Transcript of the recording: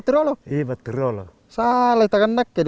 dalam barang roh biasanya nostri akan memunculkan term mechanen yang buruk